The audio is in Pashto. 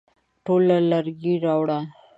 ټوله لرګي راوړه ؟